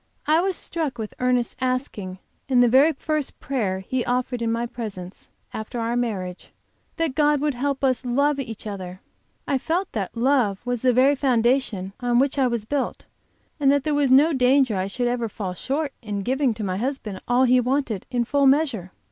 I was struck with Ernest's asking in the very first prayer he offered in my presence, after our marriage, that God would help us love each other. I felt that love was the very foundation on which I was built, and that there was no danger that I should ever fall short in giving to my husband all he wanted, in full measure.